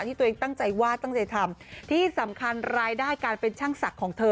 ที่ตัวเองตั้งใจวาดตั้งใจทำที่สำคัญรายได้การเป็นช่างศักดิ์ของเธอ